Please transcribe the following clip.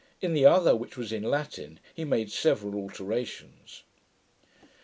In the other, which was in Latin, he made several alterations.